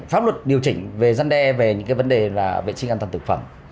pháp luật điều chỉnh về dân đe về những cái vấn đề là vệ sinh an toàn thực phẩm